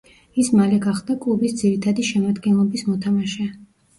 ის მალე გახდა კლუბის ძირითადი შემადგენლობის მოთამაშე.